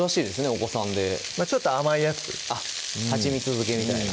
お子さんでちょっと甘いやつあっ蜂蜜漬けみたいな？